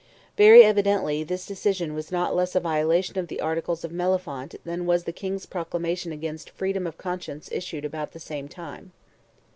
Very evidently this decision was not less a violation of the articles of Mellifont than was the King's proclamation against freedom of conscience issued about the same time.